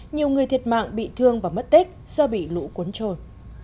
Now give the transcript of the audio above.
nhiều người thiệt mạng bị thương và mất tích do bị lũ cuốn trôi